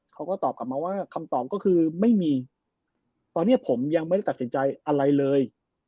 เขาก็ตอบกลับมาว่าคำตอบก็คือไม่มีตอนนี้ผมยังไม่ได้ตัดสินใจอะไรเลย